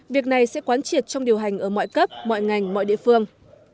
việc này sẽ quán triệt trong điều hành ở mọi cấp mọi ngành mọi địa phương